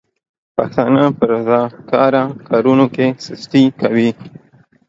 پښتانه په رضاکاره کارونو کې سستي کوي.